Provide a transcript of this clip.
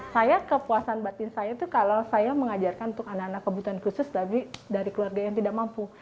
saya kepuasan batin saya itu kalau saya mengajarkan untuk anak anak kebutuhan khusus tapi dari keluarga yang tidak mampu